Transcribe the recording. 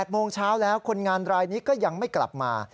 โมงเช้าแล้วคนงานรายนี้ก็ยังไม่กลับมา